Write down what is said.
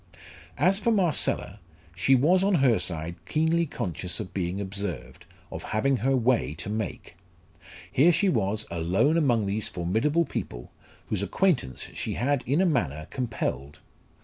As for Marcella, she was on her side keenly conscious of being observed, of having her way to make. Here she was alone among these formidable people, whose acquaintance she had in a manner compelled.